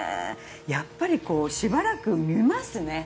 やっぱりしばらく見ますね。